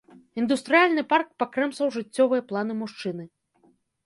Індустрыяльны парк пакрэмсаў жыццёвыя планы мужчыны.